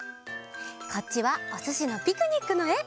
こっちは「おすしのピクニック」のえ。